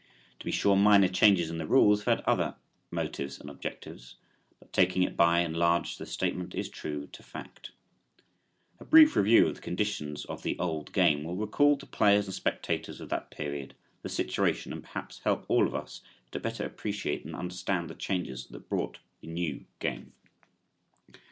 To be sure minor changes in the rules have had other motives and objectives, but taking it by and large the statement is true to fact. A brief review of the conditions of the "old" game will recall to players and spectators of that period the situation, and perhaps help all of us to better appreciate and understand the changes that brought the "new" game.